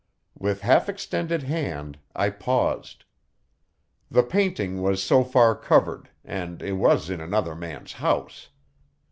With half extended hand I paused. The painting was so far covered, and it was in another man's house.